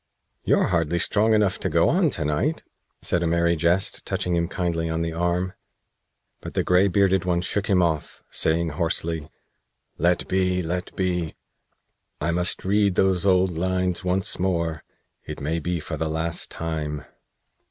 "You're hardly strong enough to go on to night," said a Merry Jest, touching him kindly on the arm; but the gray bearded one shook him off, saying hoarsely: "Let be! Let be! I must read those old lines once more it may be for the last time."